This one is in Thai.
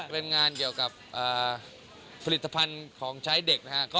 เป็นงานเกี่ยวกับผลิตภัณฑ์ของชายเด็ก